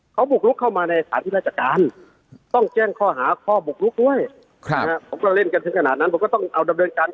เขาบุกรุกเข้ามาในสถานที่ราชการ